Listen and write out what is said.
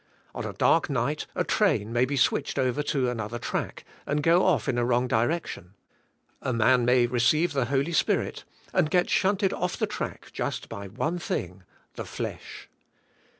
On a dark night a train may be switched over to another track, and go off in a wrong direc tion. A man may receive the Holy Spirit and get shunted off the track just by one thing, the flesh.